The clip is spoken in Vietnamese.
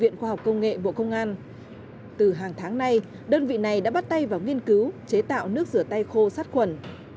từ hàng tháng này đơn vị này đã bắt tay vào nghiên cứu chế tạo nước rửa tay khô sát khuẩn